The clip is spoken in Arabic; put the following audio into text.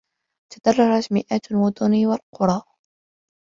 تضررت مئات المدن والقرى.